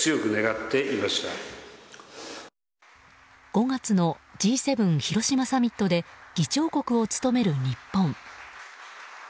５月のＧ７広島サミットで議長国を務める日本。